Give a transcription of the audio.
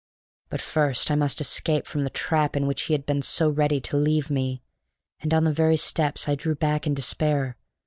But first I must escape from the trap in which he had been so ready to leave me. And on the very steps I drew back in despair.